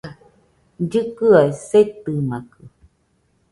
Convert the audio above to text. Llɨkɨaɨ setɨmakɨ